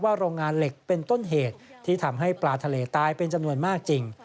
โรงงานเหล็กเป็นต้นเหตุที่ทำให้ปลาทะเลตายเป็นจำนวนมากจริง